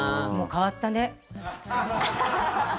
変わったね。